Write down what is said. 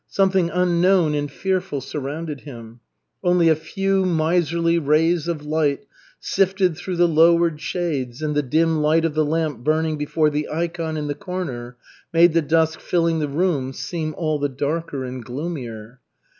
Something unknown and fearful surrounded him. Only a few, miserly rays of light sifted through the lowered shades and the dim light of the lamp burning before the ikon in the corner made the dusk filling the room seem all the darker and gloomier.